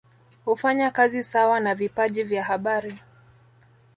Hufanya kazi sawa na vipaji vya habari